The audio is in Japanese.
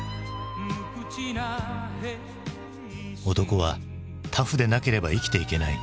「男はタフでなければ生きていけない」。